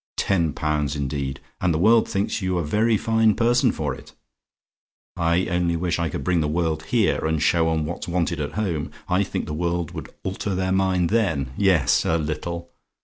Ten pounds indeed! and the world thinks you a very fine person for it. I only wish I could bring the world here, and show 'em what's wanted at home. I think the world would alter their mind then; yes a little.